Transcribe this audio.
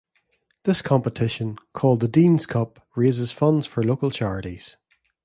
This competition, called the Dean's Cup, raises funds for local charities.